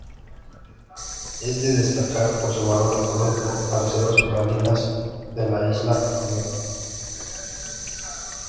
Es de destacar por su valor ecológico, las reservas coralinas de la Isla Reunión.